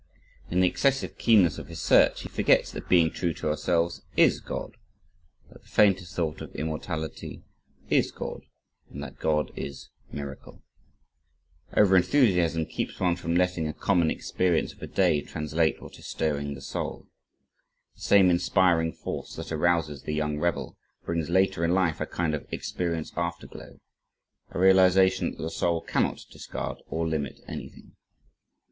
In the excessive keenness of his search, he forgets that "being true to ourselves" IS God, that the faintest thought of immortality IS God, and that God is "miracle." Over enthusiasm keeps one from letting a common experience of a day translate what is stirring the soul. The same inspiring force that arouses the young rebel, brings later in life a kind of "experience afterglow," a realization that the soul cannot discard or limit anything.